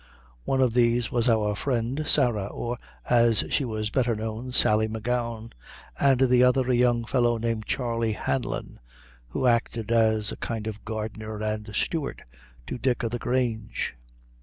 One of these was our friend, Sarah, or, as she was better known, Sally M'Gowan, and the other a young fellow named Charley Hanlon, who acted as a kind of gardener and steward to Dick o' the Grange.